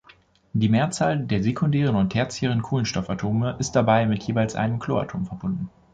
Die Mehrzahl der sekundären und tertiären Kohlenstoffatome ist dabei mit jeweils einem Chloratom verbunden.